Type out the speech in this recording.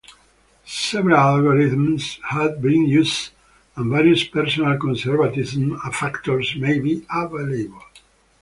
Several algorithms have been used, and various personal conservatism factors may be available.